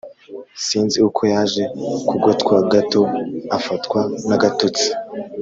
sinzi uko yaje kugotwa gato afatwa nagatotsi